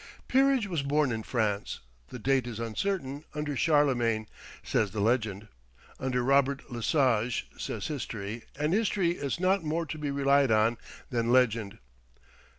Peerage was born in France; the date is uncertain under Charlemagne, says the legend; under Robert le Sage, says history, and history is not more to be relied on than legend.